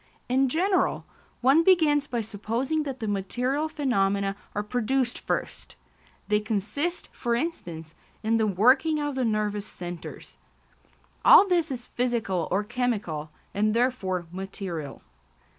In general, one begins by supposing that the material phenomena are produced first; they consist, for instance, in the working of the nervous centres. All this is physical or chemical, and therefore material.